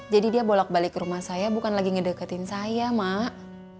jadi dia bolak balik ke rumah saya bukan lagi ngedeketin saya mak